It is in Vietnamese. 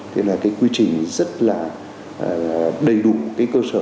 thế là cái quy trình rất là đầy đủ cái cơ sở